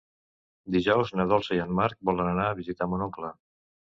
Dijous na Dolça i en Marc volen anar a visitar mon oncle.